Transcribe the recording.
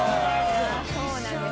そうなんですよ。